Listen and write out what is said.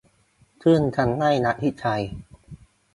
ซึ่งทำให้นักวิจัย